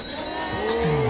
６０００万。